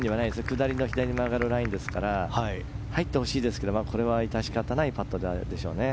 下りの左に曲がるラインで入ってほしいですが、これは致し方ないパットですね。